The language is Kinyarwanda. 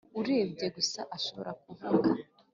urebye gusa arashobora kuvuga.